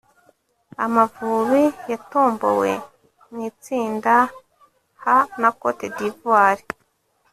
Amavubi yatombowe mu itsinda H na Cote d’Ivoire